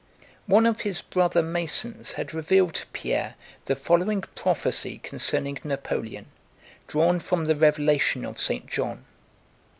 One of his brother Masons had revealed to Pierre the following prophecy concerning Napoleon, drawn from the Revelation of St. John.